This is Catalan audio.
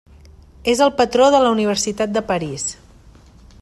És el patró de la Universitat de París.